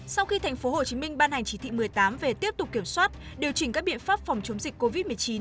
sau khi tp hcm ban hành chỉ thị một mươi tám về tiếp tục kiểm soát điều chỉnh các biện pháp phòng chống dịch covid một mươi chín